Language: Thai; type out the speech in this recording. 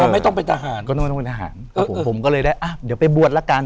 ไม่ต้องไปทหารก็ต้องไม่ต้องไปทหารผมผมก็เลยได้อ่ะเดี๋ยวไปบวชละกัน